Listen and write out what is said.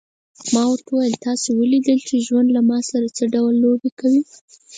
ما ورته وویل: تاسي ولیدل چې ژوند له ما سره څه ډول لوبې کوي.